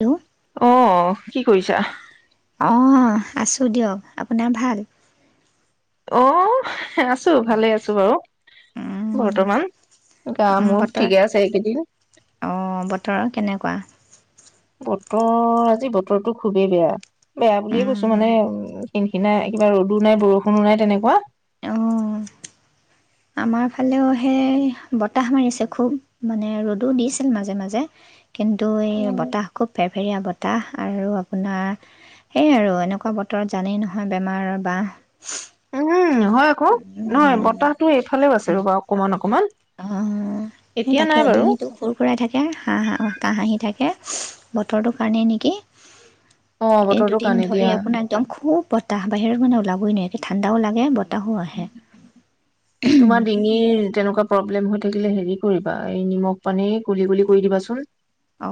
Hello অহ কি কৰিছা অ' আছোঁ দিয়ক আপোনাৰ ভাল অ আছো ভালে আছো বাৰু উম, বৰ্তমান গা মোৰ বতৰ ঠিকে আছে এইকেইদিন। অঁ বতৰ কেনেকোৱা বতৰ আজি বতৰটো খুবেই বেয়া বেয়া বুলিয়ে কৈছো উম, মানে উম খিনখিনাই কিবা ৰ'দো নাই বৰষুণো নাই তেনেকোৱা অ' আমাৰ ফালেও সেই বতাহ মাৰিছে খুব মানে ৰ'দো দিছিল মাজে মাজে কিন্তু এই উম। বতাহ খুব ফেৰ ফেৰীয়া বতাহ আৰু আপোনাৰ সেই আৰু এনেকোৱা বতৰত জানেই নহয় বেমাৰৰ বাহ উম হয় আকৌ নহয় উম, বতাহতো এইফালেও আছে ৰ'বা অকমান অকমান অ এতিয়া তাকে নাই বাৰু এদিনো সুৰ খুৰাই থাকে হাঁহ হ হাঁ হাঁহি থাকে বতৰটোৰ কাৰণে নেকি অ', এই বতৰটো দুদিন কাৰণে ধৰি দিয়া। আপোনাৰ একদম খুব বতাহ বাহিৰত মানে ওলাব গই নাক ঠাণ্াওাগে ব তোমাৰ ডিঙিৰ তেনেকুৱা প্ৰব্লেম হৈ থাকিলে হেৰি কৰিবা এই নিমখ পানেই গুলিি গুলি কৰি দিবাচোন অ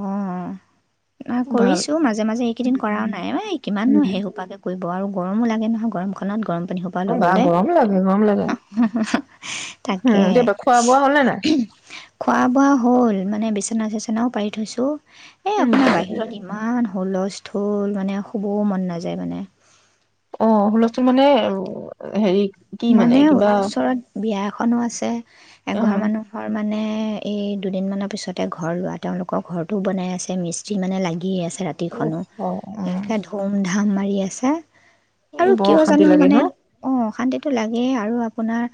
ভাল কৰিছো মাজে মাজে এইকেইদিন কৰাও নাই এই কিমানো উম, শেসোপাকে কৰিব আৰু গৰমো লাগে নহয় গৰম অকণত গৰম পান সোপা গা লবলে গৰম লাগে গৰম লাগে। উম, তাকে এতিয়া খোৱা বোৱা হ'ল নে নাই? খোৱা বোৱা হ'ল মানে বিচনা চেচনাও পাৰি আঠছো এ উম। আপোনাৰ বাহিৰত ইমান হুলস্থূুল মানে খুবও মন নাযায় মানে অ হুলচোন মানে হেৰি কি মানে কিবা ওচৰত বিয়া এখনো আছে এঘৰ অ', মানুহৰ মানে মানে এই দুদিনমানানৰ পিছতে ঘৰ লোৱা তেওঁলোকৰ ঘৰতটো বনাই আছে মিস্ত্ৰী মানে লাগিয় আছে ে অ', অ', ৰাতিখননো একে ধুম ধাম মাৰি ওৰিিয়াছা এই আৰু বৰ কিয় অশান্তি জানো লাগে মানে ন? অ শান্তিত লে আৰু আপোনাৰ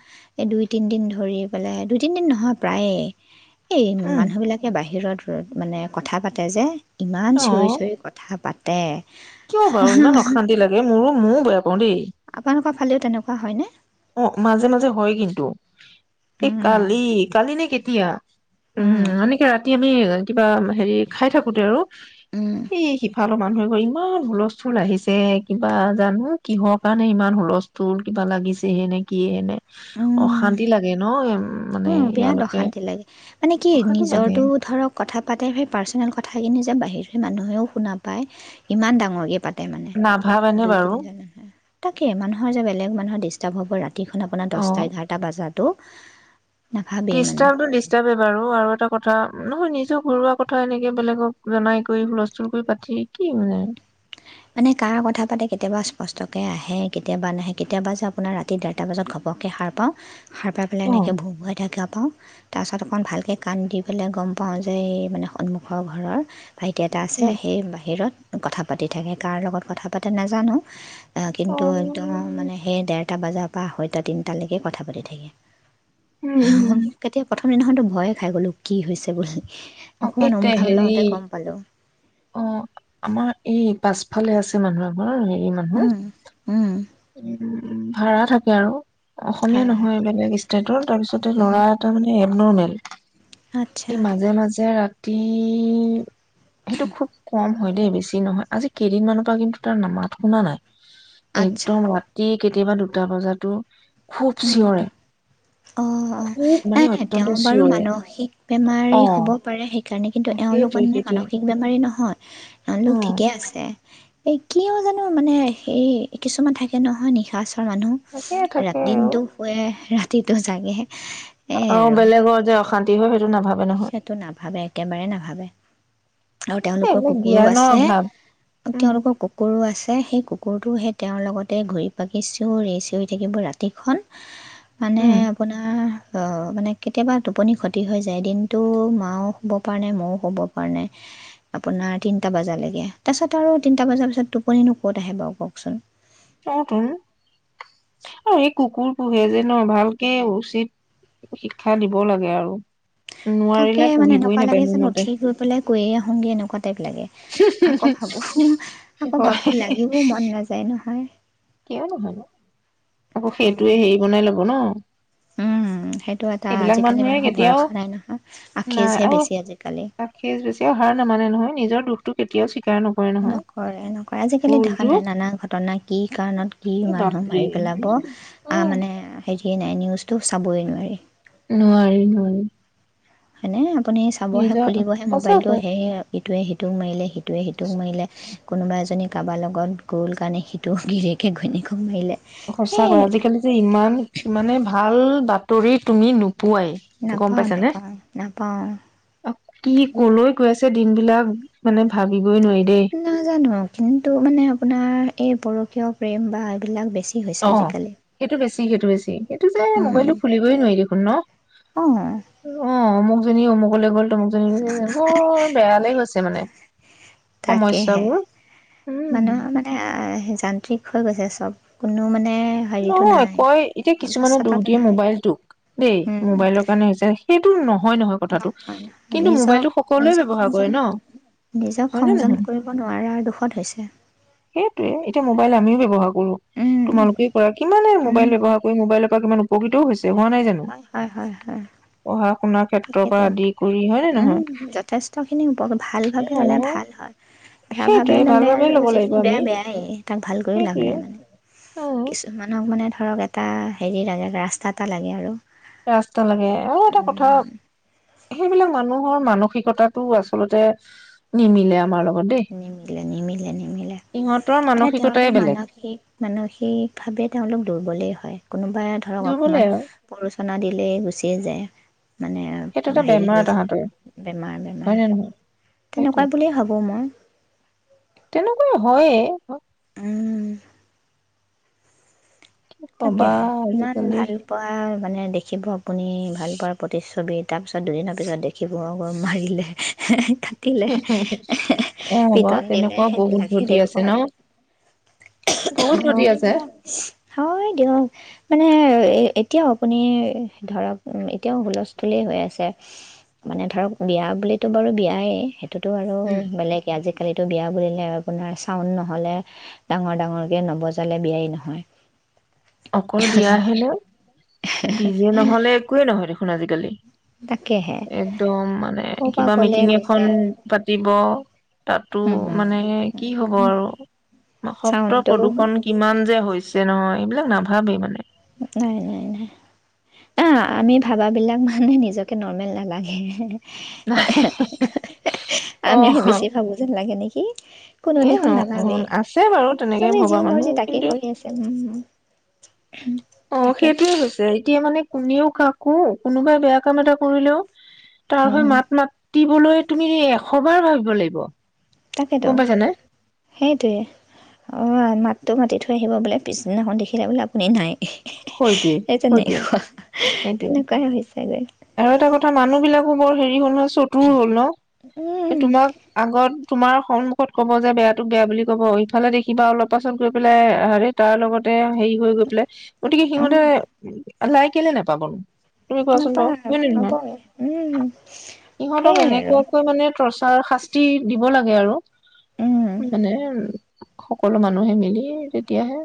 এ দুই তিন দিন ধৰি পেললে দুই তিন দিন নহয় প্ৰায়ে এই উম, মানুহ বিলাকে বাহিৰত মানে কথা পাতে যে ইমান চিঞৰি অ', চিঞৰি কথা পাতোঁ অ কিয় বাৰু ইমান অশান্তি লাগে মোৰো মোৰ ব কৰি খালেও তেনেকুৱা হয়নে অ মাজে মাজে হয় কিন্তু এই উম কালি কালি নে কেতি এতিয়াা উম এনেকে ৰাতি আমি বা হেৰি খাই থাকোতে আৰু উম এইি ফালৰ মানুহে গৈ ইমান হুলস্থুল আহিছে কিবা জানো কিহৰ কাৰণে ইমান হুলস্থুল কিবা লাগিছে হে নে কিহে নে উম অশান্তি লাগে ন মানে উম, বিৰাট ইয়ালৈকে অশান্তি লাগে। মানে কি অশান্তি লাগে নিজৰটো ধৰক কথা পাতে, সেই পাৰ্চনেল কথা কিনি যে বাহিৰত মানুহেও শুনা পায়, ইমান ডাঙৰকে পাত তে মানে, নাভাবেনে দুই, বাৰু তিনজন মানুহে, তাকেই মানুহৰ যে বেলেগ মানুহৰ ডিষ্টাৰ্ব হ'ব [inaudible] টিখন আপোনাৰ অ দছটা, এঘাৰটা বাজাত ত' ডিষ্টাৰ্বটো, ডিষ্টাৰ্বে বাৰু আৰু এটা কথ ধৰা, নহয় নিজৰ ঘৰুৱা কথা এনেকে বেলেগক, জনাই কৰি হুলস্থুল কৰি পাতি, কি মানে? মানে কাৰ কথা পাতে, কেতিয়াবা স্পষ্টকৈ আহে, কেতিয়াবা নাহে। কেতিয়াবা যে আপোনাৰ ৰাতি ডেৰটা বজাত ঘপহকে সাৰ পাওঁ। সাৰ পাই পেলায়, অ এনেকে উম ভো-ভোৱাই থাকা পাওঁ, তাপাছত অকণ ভালকে কাণ দি পেলাই গম পাওঁ যে, এই, মানে সন্মুখৰ ঘৰৰ ভাইটি এটা আছে, সেই বাহিৰত কথা পাতি। থাকে, কাৰ লগত কথা পাতে নাজানোঁ। আ, অ উম কিন্তু একদম মানে সেই ডেৰ এটা বজাৰ পৰা আঢ়ৈটা, তিনিটালেকে কথা পাতি থাকে। উম, উম, উম। সেইদিনাসনটো ভয়ে খাই গ'লো, কি হৈছে বুল অ অকমান এইতে উম-ঘাম হেৰি লওঁতে গ'ম পালোঁ। অ', আমাৰ এই, পাছফালে আছে মানুহ এঘৰ, হে কি মানুহ। উম, ভাৰা থাকে আৰু। অসমীয়া হয় হয় নহয় বেলেগ ষ্টেটৰ। তাৰপিছতে ল'ৰা এটা মানে এ নৰ্মেল। আচ্ছা ই মাজে, মাজে ৰা এই সেইটো খুব কম হয় দেই, বেছি নহয়। আজি কেইদিনমানৰ পৰা কিন্তু তাৰ না মাত শুনা নাই। আচ্ছা। একদম ৰাতি কেতিয়াবা দুটা বজাতো খুব ও, চিঞৰে ও, ও। অ', অ', খুব মানে নাই, নাই অত্যন্ত তেওঁ বাৰু চিঞৰে মানসিক বেমাৰী অ হ'ব পাৰে, সেই [unintelligible] কাৰণে কিন্তু এওঁলোক সেইটোৱে মানে সেইটোৱে মানসিক বেমাৰী নহয়। অ এওঁলোক ঠিকেই আছে। এ কিয় জানো মানে হে কিছুমান থাকে নহয় নিশা মানুহ থাকে ৰা থাকে দিনটো শুৱে ৰাতিত টোহ জাগে। এই অ', আৰু বেলেগৰ যে অশান্তি [unintelligible] নহয় সেইটো নাভাবে, একেবাৰে নাভাবে আৰু এই তেওঁলোকৰ এইবিলাক কুকুৰো জ্ঞানৰ আছে অভাৱ উম তেওঁলোকৰ কুকুৰো আছে সেই কুকুৰটো সেই তেওঁৰ লগতে ঘূৰি পাকি চিঞৰি-চিঞৰি থাকিব ৰাতিখন। মানে উম আপোনাৰ অ', মানে কেতিয়াবা টোপনি ক্ষতি হয় যায়। যে দিনটো মাও শুব পৰা নাই, মইও শুব পৰা নাই, আপোনাৰ তিনটা বজালৈকে। তাৰপিছত আৰু তিনটা বজাৰ পিছত টোপনিনো ক'ত আহে বাৰু কওকচোন? অতুন আৰু সেই কুকুৰ পোহে যে ন ভালকে উচিত শিক্ষা দিব লাগে আৰু। তাকে নোৱাৰিলে মানে পুহিবই এনেকুৱা নাপায় লাগে মোৰ যেন মতে উঠি গৈ পেলাই কৈয়ে আহোগে, এনেকুৱা টাইপ লাগে। আকৌ ভাবো সু- আকৌ ভাবো হয় লাগিবও মন নাযায় নহয়। কিয় নহয় ন, আকৌ সেইটয়ে হয় হেৰি বনাই লব ন? উম, সেইটো এটা এইবিলাক আজিকালি মানুহে মানুহৰ কেতিয়াও ভৰসা নাই নহয় নাই আখেজহে আৰু বেছি আজিকালি খেজ বেছি হাৰ নামানে নহয়। নিজৰ দুখ তটো কেতিয়া নকৰে-নকৰে আজিকালি দেখা ভুলটো নাই-নানা ঘটনা কি কাম? ত কি এই মানুহ বাপৰে মাৰি পেলাব অ আহ মানে স সয়ে নাই নিউজটো চাবই নোৱাৰি। নোৱাৰি-নোৱাৰি। হয়নে? আপুনি চাবহে খুলিবহে মোবাইলটো সঁচাকৈ হেৰি ইটোৱে-সিটোক মাৰিলে সিটো টোৱে-সিটোত মাৰিলে কোনোবা এজনী কাৰোবাৰ লগত গ'ল কাৰণে সিটো গিৰেকে ঘৈণীয়েকক মাৰিলে। সেই সঁচাকৈ আজিকালি যে ইমান মানে ভাল ব বঁতৰি তুমি পোৱাই, গম নাপাওঁ পাইছ নে? নাপাওঁ নাপাওঁ অ', কি খালি কলৈ গৈ আছ দিন বিলাক মানে ভাবি নাজানো। কিন্তু মানে আপোনাৰ এই পৰকীয় প্ৰেম বা এইবিলাক বেছি বেছি হৈছে আজিকালি। যি সেইটো বেছি। তটো যে মোবাইলটো খুলিবৈ নোৱাৰি শূন্য অ অ অমুকজনী অমুকলৈ গ'ল মোৰ বেয় লে গৈছে মানে তাকেহে সমস্যাবোৰ উম মানুহৰ মানে আহ যান্ত্ৰিক হৈ গৈছে চব কোনো মানে হেৰিটো নহয় নাই কয় এতিয়া কিছুমানে দুখ নিজস্বতাটো দিয়ে নাই মোবাইলটোক দেই উম, মোবাইলৰ কাৰণে হৈছে সেই হয় নহয় কথাটো নহয় কিন্তু নিজক মোবাইলতটো সকলোৱে নিজক ব্যৱহাৰ কৰে সংযম ন নিজক হয় ন সংযম নহয় কৰিব নোৱাৰাৰ দুখত হৈছে সেইটয়ে এতিয়া মোবাইল আমিও ব্য্ৱহাৰ কৰো উম, তোমালোকে কিমানে মোবাইল উম, ব্যৱহাৰ কৰি মোবাইলত কিমান উপকৃতও হৈছে হোৱা নাই জানো হয় হয় হয় পঢ়া শুনাৰ ক্ষেত্ৰৰ পৰা তাকেতো আদি কৰি হয় নে নহয় উম যথেষ্ট খিনি উপকাৰ ভাল ভাবেে ললে অ ভাল হয় বেয়া ভাবেে সেইটোৱে ভাল ললে ভাবে আৰু ল'ব লাগিব যিখিনি আমি বেয়া বেয়াই তাক ভাল কৰি লাভ সেইটোৱে নাই মানে অ কিছুমান আপনাক মানে ধৰক এটা হেৰি লাগে ৰাস্তা এটা লাগে আৰু ৰাস্তা লাগে অ এটা কথা উম, সেইবিলাক মানুহৰ মানসিকতাটো আচলতে নিমিলে আমাৰ লগত দেই নিমিলে নিমিলে নিমিলে ইহঁতৰ এ মানসিকতাই তেওঁলোক বেলেগ মানসিক মানসিক ভাৱে তেওঁলোক দুৰ্বলেই হয় কোনোবাই ধৰক দুৰ্বলে অকমান আৰু পৰোচনা দিলেই গুচি যায় মানে সেইটো এটা হেৰি বেমাৰ হৈ তাহাঁতৰ যায় বেমাৰ বেমাৰ হয় নে নহয় সেইটোৱে তেনেকুৱা বুলিয়ে ভাবোঁ মই তেনেকুৱা হয়ে উম কি তাকে কবা ইমান আজিকালি ভাল পোৱা মানে দেখিব আপুনি ভাল পোৱা প্ৰতিচ্ছবিিত তাৰপিছত দুদিনৰ পিছত দেখিব পকৈ মাৰিলে কাটিলে অ বা পিটন দিলে তেনেকুৱাও বহুত সেইবিলাকে ঘটি আছে দেখো ন আৰু বহুত ঘটি হয় আছে দিয়ক হয় দিয়ক মানে এতিয়াও আপুনি ধৰক এতিয়াও হুলস্থুলেই হৈ আছে মানে ধৰক বিয়া বুলিতো বাৰু বিয়ায় টোতো আৰু উম বেলেগ আজিকালি আকালিতো বিয়া বুলিলে আপোনাৰ চাউণ্ড নহ'লে ডাঙৰ ডাঙৰকে নবজালে বিয়াই নহয় অকল বিয়াহেলে ডিজে নহলে একোৱেই নহয় দেখ দে আজিকালি তাকেহে একদম মানে ক'ৰ পৰা কিবা ক'লে মিটিং এখন গৈছে পাতিব তাতো উম, উম। মানে কি হব আৰু শব্দ চাউণ্ডটো প্ৰদূৰ্ষন কিমান যে হৈছে যেন এইবিলাক নাভাবেই মানে। নাই, নাই, নাই, এ আমি ভাবা বিলাক মানে নিজকে নৰ্মেল নালাগে। হে হে হে হে আমিহে অ বেছি ভাবো যেন লাগে নেকি, কোনো এই ন দেখোন অ নাভাবেই, আছে বাৰু তেনেকে চবেই যি ভবা মানুহ মৰজি তাকে কিন্তু কৰি আছে, উম অ, তাকেতো সেইটোয়ে হৈছে। এতিয়া মানে কোনেও কাকো, কোনোবাই বেয়া কাম এটা কৰিলেও তাৰ হৈ উম মাত মাত তিবলৈ তুমি এশ বাৰ ভাবিব লাগিব। তাকেতো গম পাইছা নে সেইটোৱে অ', মাত তো মাতি থৈ আহিব বোলে, পিছদিনাখন দেখিলে বোলে আপুনি নাই। হে হে হে হয়টোৱে সেই হয়টোৱে তেনেকোৱা, সেইটোৱে তেনেকোৱাই হৈছেগৈ। আৰু এটা কথা মানুহ বিলাকো বৰ হেৰি হ'ল নহয় চতুৰ হ'ল ন, এ উম তোমাক আগত তোমাৰ সন্মুখত কব যে বেয়াটোক বেয়া বুলি কব ইফালে দেখিবা অলপ পাছত গৈ পেলাই হেৰি তাৰ লগতে হেৰি হৈ গৈ পেলাই গতিকে অ সিহঁতে লাই কেলে নাপাবনো? তুমি কোৱাচোন বাৰু নাপায় হয় নে নহয় পাবই, উম সেয়েই আৰু চৰ্চাৰ শাস্তি দিব লাগে আৰু উম মানে সকলো মানুহে মিলি তেতিয়াহে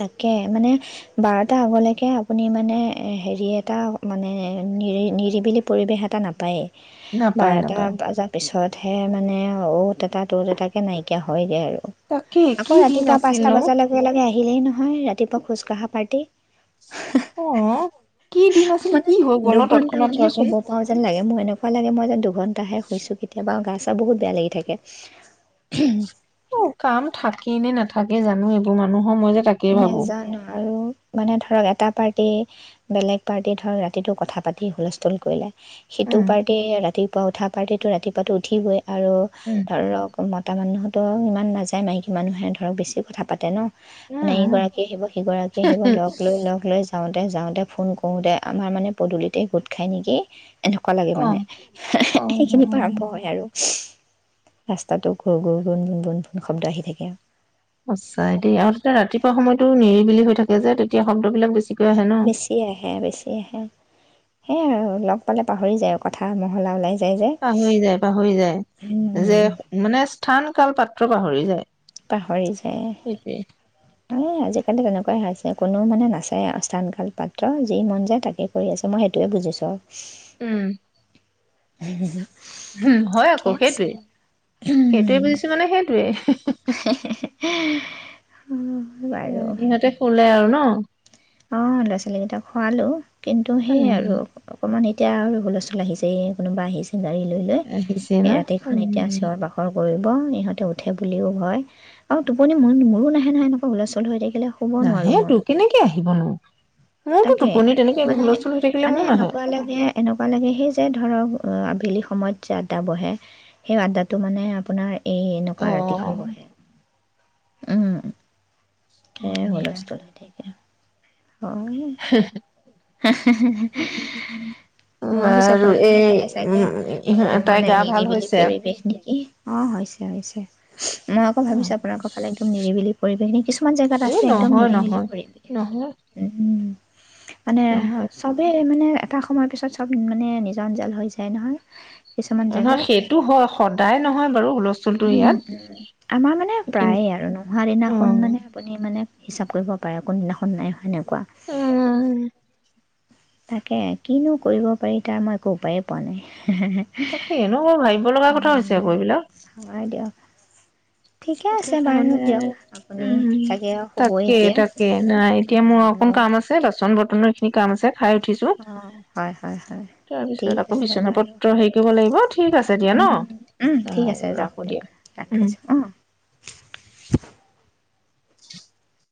তাকে মানে বাৰটা আগলৈকে আপুনি মানে হেৰি এটা মানে নিৰি, নিৰিবিলি পৰিৱেশ এটা নাপায়েই। নাপায় বাৰটা নাপায় বাজাৰ পিছত উঠে মানে, অ'ত এটা ত'ত এটাকে নাইকিয়া হয়গে আৰু তাকে আকৌ কি দিন ৰাতিপুৱা পাঁচটা আছিল ন বজা লগে-লগে আহি দিলেই নহয়, ৰাতিপুৱা খোজ কঢ়া পাৰ্টি হুহ অ কি দিন হু আছিল কি হৈ মানে গ'ল ন দুঘন্টা তৎক্ষণাত মানহে চোৱাচোন শুব পাও যেন লাগে, মোৰ এনেকোৱা লাগে মই যেন দুঘন্টাহে শুইছো, কেতিয়াবা গাছ বহুত বেয়া লাগি থাকে। অও, কাম থাকেই নে, নাথাকে জানো এইবোৰ মানুহ নেজানো আৰু মানে ধৰক এটা পাৰ্টি তি বেলেগ পাৰ্টি ধৰক ৰাতিটো কথা পাতি হুলস্থুল কৰিলে সেইটো উম পাৰ্টি ৰাতি পোৱা উঠা পাৰ্টিটো ৰাতিপুৱাটো উঠিবই। আৰু উম ধৰক মতা মানুহত ত ইমান নাযায় মাহকী মানুহে ধৰক বেছি কথা পাতে ন উম নাইীগৰাকী আহিব সিগৰাকী আহিব লগ লৈ লগ লৈ যাও ততে যাওঁতে ফোন কৰোতে আমাৰ মানে পদূলিতে গোট খাই নেকি এনেকুৱা লাগে অ মানে অ সেইখিনিৰ পৰা আৰম্ভ হয় আৰু ৰাস্তাতো গ গুৰ গণভোন গণভোন শব্দ আহি থাকে আৰু অছ দে আ ৰাি সময়তো নিৰিবিলি হৈ থাকে যেতিয়া শবদবিলাক বেছি বেছিয়ে আহে বেছিয়ে আহে সেয়াই আৰু লগ পালে পাহৰি যায় আৰু কথা মহলা ওলাইায় পাহৰি যায় পাহৰি যায় যে মানে স্থান কাল পাত্ৰ পাহৰি যায় পাহৰি সেইটোৱে যায় এ আজিকালি তেনেকা ক কোনো মানে নাচে স্থান কাল পাত্ৰ যি মন যায় তাকে কৰি আছে মই সেইটোৱে বুজিছোঁ আৰু উম হু হু হু [unintelligible] উ হয় আকৌ সেইটোৱে সেইটোৱে বুজিছো মানে সেইটোৱে অ বাৰু উম ইহঁতে শুলে আৰু ন অ ল'ৰা ছোৱালী কেইটাক খোৱালো কিন্তু সেয় আৰু উম অকণমান এতিয়া আৰু হুলস্থুল আহিছে কোনোবা আহিছে গাড়ী লৈ লৈ আহিছে ন ৰাতিখন এতিয়া উম চিঞৰ বাখৰ কৰিব ইহঁতে উঠে বুলিও হয় আৰু টোপনি ম মোৰো নাহে নহয় এনেকুৱা হলচল হৈ থাকে নাহে তোৰ কেনেকে আহিবনো মোৰতো তাকে টোপনি তেনেকে মানে হুলস্থুল হৈ থাকিলে মানে মোৰ নাহে এনেকুৱা লাগে এনেকুৱা লাগে সেই যে ধৰক আবেলি সময়ত যে আদ্ডা বহে সেই আ্ডাটো মানে আপোনাৰ এই এনেকুৱা অ ৰাতিখন বহে উম হে হয় হলচ দিয়া তল থাকে হয় মই ভাবিছো বাৰু আপোনালোকৰ এই ফালে চাইে অ উম তাই মানে গা ভাল নিৰিবিলি হৈছে পৰিৱেশ নেকি অ হৈছে হৈছে মই আকৌ অ ভাবিছো আপোনালোকৰ ফালে একদম নিৰিমিলি পৰিৱেশ নে কিছুমান জেগাত এই আছে একদম নহয় নিৰিমিলি নহয় পৰিৱেশ নহয় উম মানে নহয় চবেই মানে এটা সময়ৰ পিছত চব মানে নিজৰ- নিজৰ হৈ যায় নহয়। কিছুমান নহয় জেগাত সেইটো হয়, সদায় নহয়। বাৰু হুলস্থুলটো উম ইয়াত -উম আমাৰ মানে কি প্ৰায়ে আৰু নোহোৱা অ দিনাখন মানে আপুনি মানে হিচাপ কৰিব, পাৰে একোন দিনাখন নাই হয় নাই? কোৱা। উম তাকে কিনো কৰিব পাৰি তাৰ মই একো উপায়ে পোৱা নাই। তাকে ন, ভাবিব লগা কথা হৈছে উম, আকৌ এইবিলাক, হয় দিয়ক ঠিকে এটোয়ে আছে তাৰ বাৰু মানে দিয়ক আপুনি উম', চাগে শুবই তাকে- এতিয়া। তাকে নাই এতিয়া মোৰ উম, অকণ অ', কাম আছে বাচন - বৰ্তন, আৰু এইখিন কাম আছে। খাই উঠিছো অ', হয়, হয়, হয়। ঠিক তাৰপিছত আকৌ আছে বিচনা বাৰু পত্ৰ হেৰি কৰিব লাগিব ঠিক আছে দিয়া ন উম, উম, ঠিক আছে ', যাওক ৰাখো দিয়ক দিয়া। উম', ৰাখিছোঁ [inaudible] [inaudible]